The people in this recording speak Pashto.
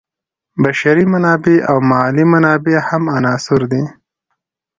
بشري منابع او مالي منابع هم عناصر دي.